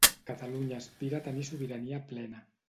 Catalunya aspira a tenir sobirania plena.